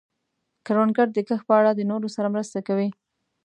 کروندګر د کښت په اړه د نورو سره مرسته کوي